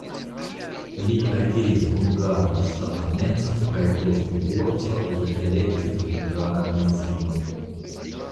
Li akiris hungaran ŝtatanecon kaj post divorco li elektis hungaran edzinon.